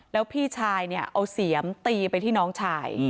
แล้วพี่ชายเนี่ยเอาเสียมตีไปที่น้องชาย